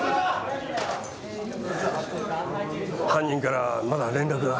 犯人からはまだ連絡が。